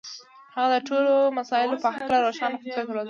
هغه د ټولو مسألو په هکله روښانه فکر درلود.